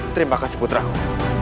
terima kasih putraku